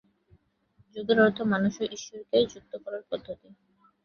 যোগের অর্থ মানুষ ও ঈশ্বরকে যুক্ত করার পদ্ধতি।